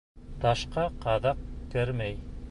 Ташҡа ҡаҙаҡ кермәй.